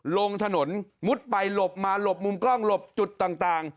ลงถนนมุดไปหลบมาหลบมุมกล้องหลบจุดต่าง